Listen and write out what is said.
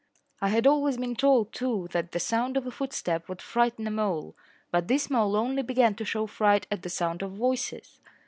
I had always been told, too, that the sound of a footstep would frighten a mole, but this mole only began to show fright at the sound of voices.